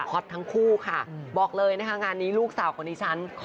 ทั้งคู่ค่ะบอกเลยนะคะงานนี้ลูกสาวคนนี้ฉัน